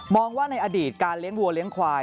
ว่าในอดีตการเลี้ยงวัวเลี้ยงควาย